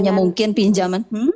hanya mungkin pinjaman hmm